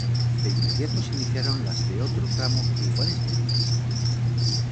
De inmediato se iniciaron las de otro tramo de iguales medidas.